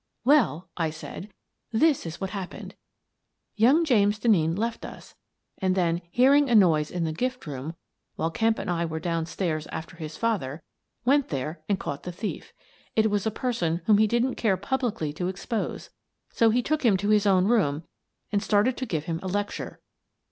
" Well," I said, " this is what happened : young James Denneen left us and then, hearing a noise in the gift room while Kemp and I were down stairs after his father, went there and caught the thief. It was a person whom he didn't care publicly to expose, so he took him to his own room and started to give him a lecture.